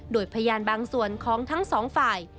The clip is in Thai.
โดยพยานบางส่วนของทั้งสองฝ่าย